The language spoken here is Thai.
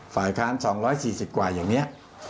ฝ่ายค้าน๒๔๐กว่าอย่างนี้